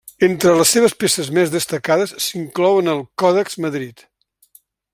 Entre les seves peces més destacades s'inclouen el Còdex Madrid.